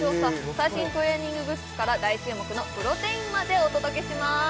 最新トレーニンググッズから大注目のプロテインまでお届けします